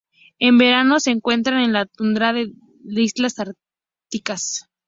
En verano se encuentran en la tundra de las islas árticas.